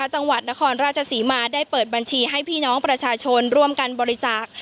จังหวัดนครราชศรีมาได้เปิดบัญชีให้พี่น้องประชาชนร่วมกันบริจาค